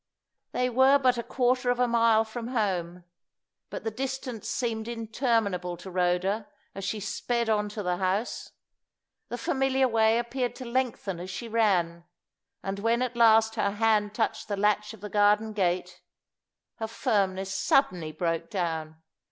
They were but a quarter of a mile from home, but the distance seemed interminable to Rhoda as she sped on to the house. The familiar way appeared to lengthen as she ran; and when at last her hand touched the latch of the garden gate, her firmness suddenly broke down.